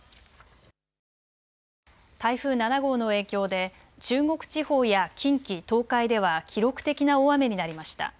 台風７号の影響で中国地方や近畿、東海では記録的な大雨になりました。